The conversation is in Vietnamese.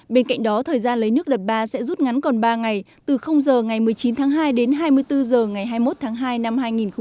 bên cạnh đó thời gian lấy nước đợt ba sẽ rút ngắn còn ba ngày từ giờ ngày một mươi chín tháng hai đến hai mươi bốn h ngày hai mươi một tháng hai năm hai nghìn hai mươi